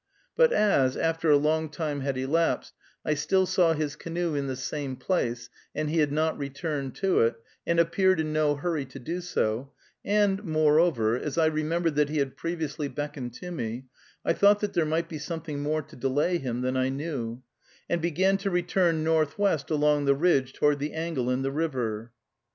But as, after a long time had elapsed, I still saw his canoe in the same place, and he had not returned to it, and appeared in no hurry to do so, and, moreover, as I remembered that he had previously beckoned to me, I thought that there might be something more to delay him than I knew, and began to return northwest, along the ridge, toward the angle in the river.